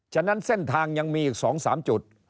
ฉะนั้นเส้นทางยังมีอีก๒๓จุด